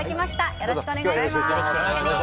よろしくお願いします！